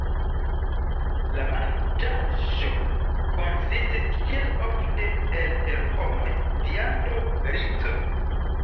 La manĝaĵo konsistis kiel ofte, el terpomoj, viando, rizo.